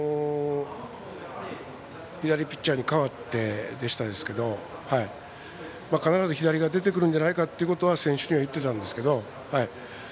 左ピッチャーに代わってでしたが必ず左が出てくるんじゃないかということは選手には言っていたんですけど。